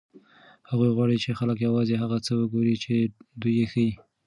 هغوی غواړي چې خلک یوازې هغه څه وګوري چې دوی یې ښيي.